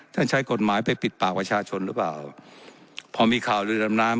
ใช้กฎหมายไปปิดปากประชาชนหรือเปล่าพอมีข่าวลือดำน้ำ